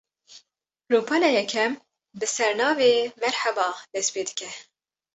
Rûpela yekem, bi sernavê "Merhaba" dest pê dike